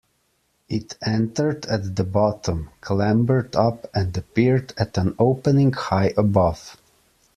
It entered at the bottom, clambered up and appeared at an opening high above.